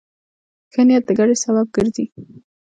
ښه نیت د ګټې سبب ګرځي.